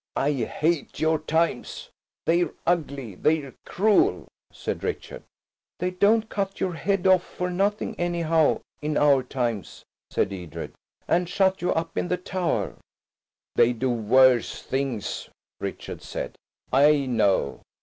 "I hate your times. They're ugly, they're cruel," said Richard. "They don't cut your head off for nothing anyhow in our times," said Edred, "and shut you up in the Tower." "They do worse things," Richard said. "I know.